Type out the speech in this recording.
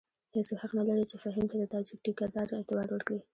هېڅوک حق نه لري چې فهیم ته د تاجک ټیکه دار اعتبار ورکړي.